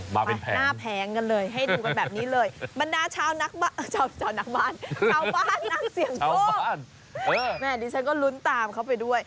แม่ดิฉันก็ลุ้นตามเขาไปด้วย